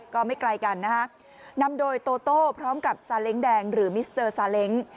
ก็ไม่ไกลกันนะฮะนำโดยโตโต้พร้อมกับซาเล้งแดงหรือมิสเตอร์ซาเล้ง